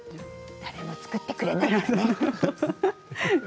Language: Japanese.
誰も作ってくれないので。